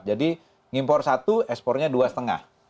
jadi impor satu ekspornya dua lima